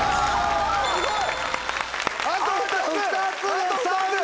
すごい！